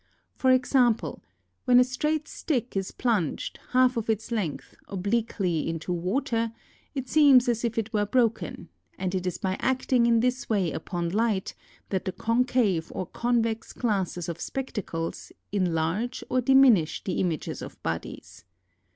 For example, when a straight stick is plunged, half of its length, obliquely into water, it seems as if it were broken; and it is by acting in this way upon light, that the con cave or convex glasses of spectacles, enlarge or diminish the images of bodies.